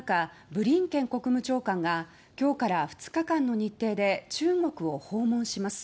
ブリンケン国務長官が今日から２日間の日程で中国を訪問します。